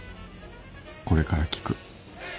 これから聴く。